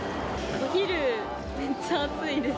お昼めっちゃ暑いです。